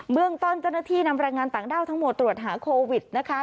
เมืองต้นเจ้าหน้าที่นำแรงงานต่างด้าวทั้งหมดตรวจหาโควิดนะคะ